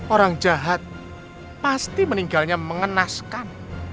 orang jahat pasti meninggalnya mengenaskan